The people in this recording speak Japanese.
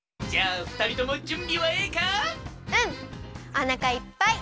おなかいっぱい！